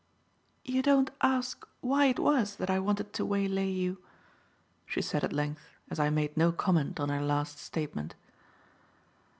"You don't ask why it was that I wanted to waylay you," she said, at length, as I made no comment on her last statement.